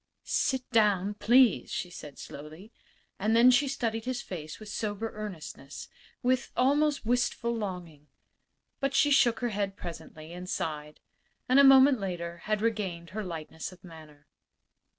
"Sit down, please," she said, slowly. And then she studied his face with sober earnestness with almost wistful longing. But she shook her head presently, and sighed; and a moment later had regained her lightness of manner.